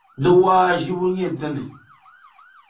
Di waaʒibu nye dini?